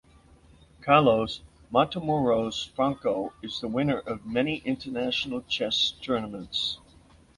Carlos Matamoros Franco is the winner of many international chess tournaments.